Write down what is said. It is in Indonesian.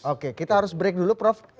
oke kita harus break dulu prof